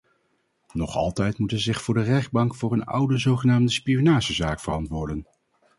Nog altijd moet hij zich voor de rechtbank voor een oude zogenaamde spionagezaak verantwoorden.